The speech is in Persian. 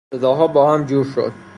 صداها با هم جور شد.